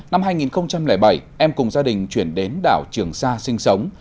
năm hai nghìn bảy em cùng gia đình chuyển đến đảo trường sa sinh sống